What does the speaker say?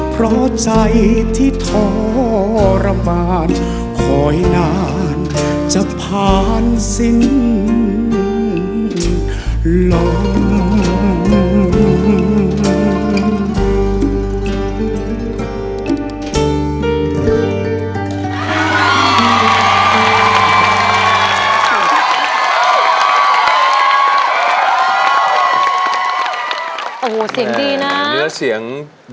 เพราะใจที่ทรมานคอยนานจะผ่านสิ่งลง